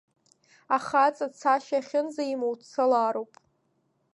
Ахаҵа, цашьа ахьынӡамоу, дцалароуп.